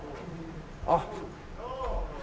あっ。